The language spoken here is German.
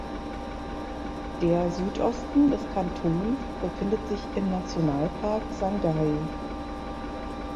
Der Südosten des Kantons befindet sich im Nationalpark Sangay.